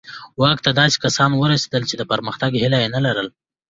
واک ته داسې کسان ورسېدل چې د پرمختګ هیله یې نه لرله.